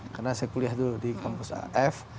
karena saya kuliah dulu di kampus f